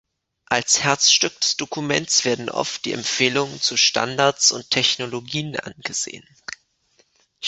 Als Herzstück des Dokuments werden oft die Empfehlungen zu Standards und Technologien angesehen.